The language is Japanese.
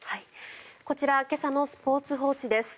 こちら、今朝のスポーツ報知です。